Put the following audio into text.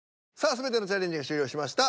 全てのチャレンジが終了しました。